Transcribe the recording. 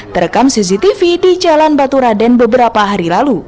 terekam cctv di jalan baturaden beberapa hari lalu